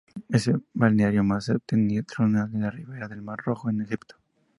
Es el balneario más septentrional de la Riviera del Mar Rojo en Egipto.